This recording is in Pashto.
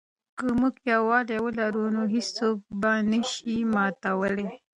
که موږ یووالي ولرو نو هېڅوک مو نه سي ماتولای.